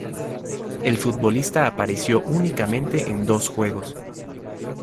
El futbolista apareció únicamente en dos juegos.